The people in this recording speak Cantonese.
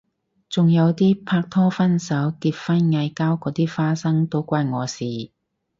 仲有啲拍拖分手結婚嗌交嗰啲花生都關我事